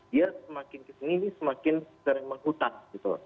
dia semakin kesini semakin sering menghutang gitu